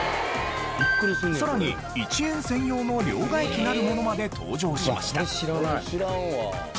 さらに１円専用の両替機なるものまで登場しました。